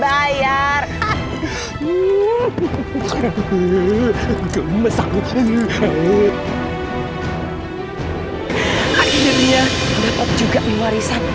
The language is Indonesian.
akhirnya juga warisan